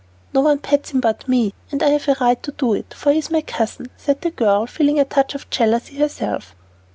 "No one pets him but me, and I have a right to do it, for he is my cousin," said the girl, feeling a touch of jealousy herself.